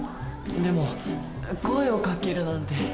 でも声をかけるなんて。